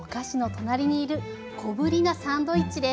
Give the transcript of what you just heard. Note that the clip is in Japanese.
隣にいる小ぶりなサンドイッチです。